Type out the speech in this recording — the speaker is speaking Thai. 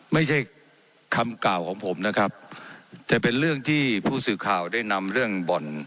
ไม่ใช่คำกล่าวของผมนะครับแต่เป็นเรื่องที่ผู้สื่อข่าวได้นำเรื่องบ่อน